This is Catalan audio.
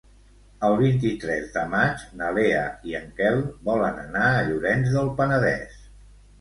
El vint-i-tres de maig na Lea i en Quel volen anar a Llorenç del Penedès.